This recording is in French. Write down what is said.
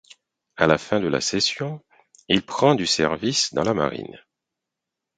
À la fin de la session, il prend du service dans la marine.